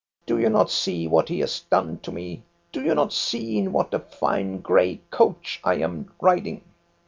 Do you not see what he has done to me ? Do you not see in what a fine gray coach I am riding?